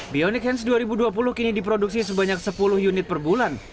bionic hens dua ribu dua puluh kini diproduksi sebanyak sepuluh unit per bulan